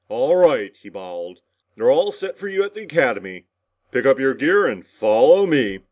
"All right," he bawled. "They're all set for you at the Academy! Pick up your gear and follow me!"